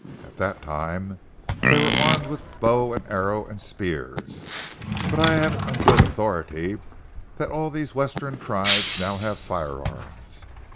At that time they were armed with bow and arrow and spears, but I have it on good authority that all these western tribes now have firearms.